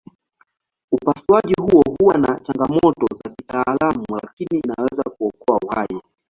Upasuaji huo huwa na changamoto za kitaalamu lakini inaweza kuokoa uhai.